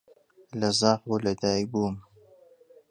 لە زاخۆ لەدایک بووم.